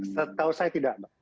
setahu saya tidak mbak